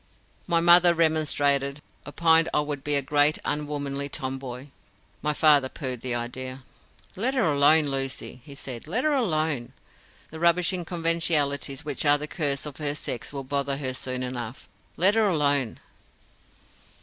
My mother remonstrated, opined I would be a great unwomanly tomboy. My father poohed the idea. "Let her alone, Lucy," he said, "let her alone. The rubbishing conventionalities which are the curse of her sex will bother her soon enough. Let her alone!"